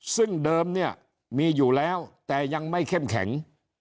ซึ่งเดิมเนี่ยมีอยู่แล้วแต่ยังไม่เข้มแข็ง